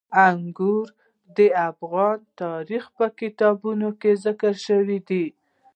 انګور د افغان تاریخ په کتابونو کې ذکر شوی دي.